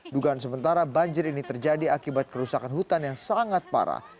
dugaan sementara banjir ini terjadi akibat kerusakan hutan yang sangat parah